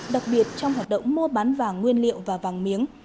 đặc biệt trong hoạt động mua bán vàng nguyên liệu và vàng miếng